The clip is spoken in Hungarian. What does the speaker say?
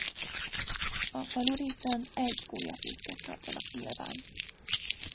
A falurészen egy gólyafészket tartanak nyilván.